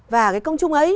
và cái công chúng ấy